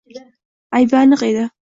Aybi aniq edi